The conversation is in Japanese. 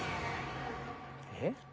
えっ？